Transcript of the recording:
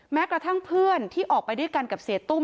แม้กระทั่งเพื่อนที่ออกไปด้วยกันกับเสียตุ้ม